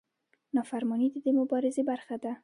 نافرماني د دې مبارزې برخه ده.